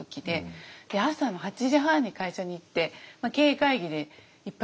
朝の８時半に会社に行って経営会議で一発